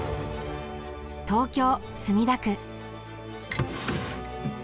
東京・墨田区。